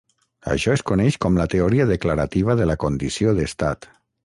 Això es coneix com la teoria declarativa de la condició d'estat.